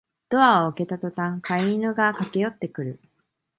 ドアを開けたとたん飼い犬が駆けよってくる